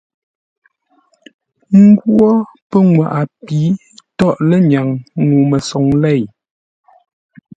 Nghwó pənŋwaʼa pi tóghʼ lə́nyaŋ ŋuu məsoŋ lěi,